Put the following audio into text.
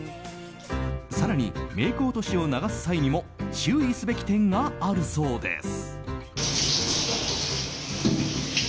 更に、メイク落としを流す際にも注意すべき点があるそうです。